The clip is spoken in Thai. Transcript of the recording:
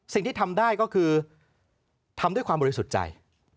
สิ่งที่ทำได้ก็คือทำด้วยความบริสุทธิ์ใจ